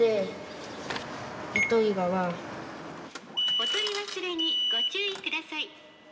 お取り忘れにご注意ください。